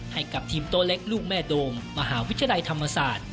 ให้กับทีมโต๊ะเล็กลูกแม่โดมมหาวิทยาลัยธรรมศาสตร์